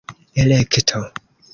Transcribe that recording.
elekto